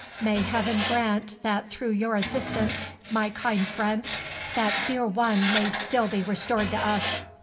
May Heaven grant that through your assistance, my kind friend, that dear one may still be restored to us!"